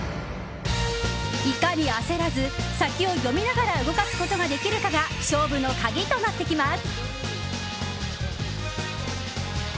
いかに焦らず、先を読みながら動かすことができるかが勝負の鍵となってきます。